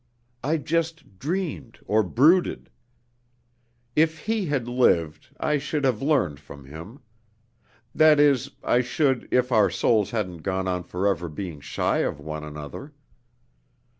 I just dreamed, or brooded. If he had lived, I should have learned from him. That is, I should, if our souls hadn't gone on forever being shy of one another.